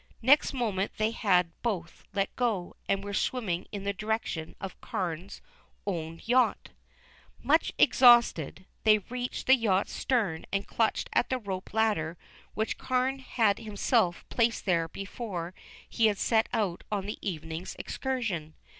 Next moment they had both let go, and were swimming in the direction of Carne's own yacht. Much exhausted, they reached the yacht's stern and clutched at the rope ladder which Carne had himself placed there before he had set out on the evening's excursion.